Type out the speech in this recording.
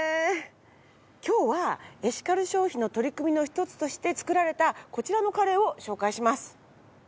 今日はエシカル消費の取り組みの一つとして作られたこちらのカレーを紹介します。